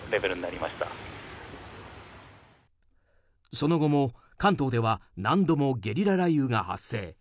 その後も関東では何度もゲリラ雷雨が発生。